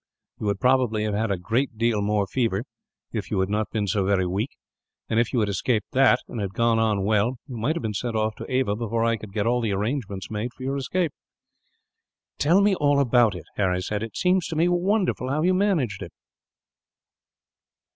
You would probably have had a great deal more fever, if you had not been so very weak; and if you had escaped that, and had gone on well, you might have been sent off to Ava before I could get all the arrangements made for your escape." "Tell me all about it," Harry said. "It seems to me wonderful how you managed it."